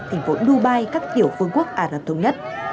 thành phố dubai các tiểu phương quốc aratung nhất